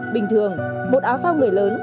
bình thường một áo phong người lớn